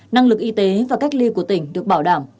năng lực y tế và cách ly của tỉnh được bảo đảm